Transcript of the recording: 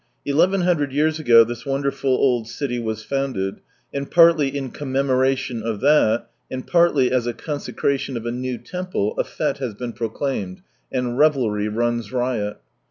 Eleven hundred years ago this wonderful old city was founded, and partly in commemoration of that, and partly as a consecration of a new temple, a fete has been proclaimed, and revelry runs riot.